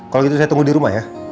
kalau gitu saya tunggu di rumah ya